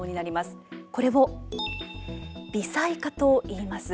これを微細化といいます。